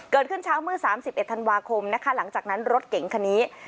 เกิดขึ้นเช้าเมื่อ๓๑ธันวาคมนะคะหลังจากนั้นรถเก๋งคันนี้